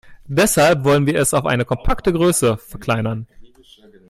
Deshalb wollen wir es auf eine kompakte Größe verkleinern.